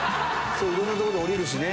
いろんな所で降りるしね。